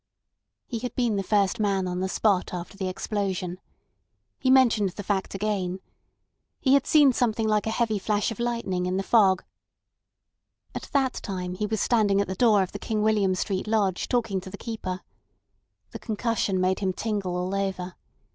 He had been the first man on the spot after the explosion. He mentioned the fact again. He had seen something like a heavy flash of lightning in the fog. At that time he was standing at the door of the King William Street Lodge talking to the keeper. The concussion made him tingle all over.